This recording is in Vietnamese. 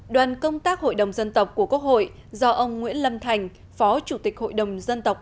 đoàn công tác hội đồng dân tộc của quốc hội do ông nguyễn lâm thành phó chủ tịch hội đồng dân tộc